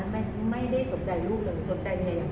ตอนนั้นไม่ได้สนใจลูกเลยสนใจแม่อย่างหนึ่ง